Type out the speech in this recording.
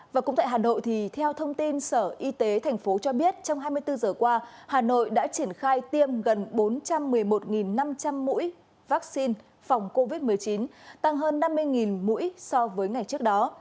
và cũng tại hà nội thì theo thông tin sở y tế tp cho biết trong hai mươi bốn giờ qua hà nội đã triển khai tiêm gần bốn trăm một mươi một năm trăm linh mũi vaccine phòng covid một mươi chín tăng hơn năm mươi mũi so với ngày trước đó